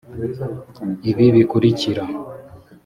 ibi bikurikira